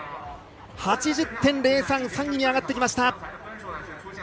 ８０．０３で３位に上がってきました。